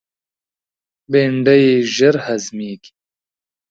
بېنډۍ ژر هضمیږي